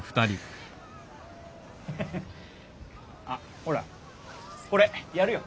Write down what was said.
フフフッあっほらこれやるよ。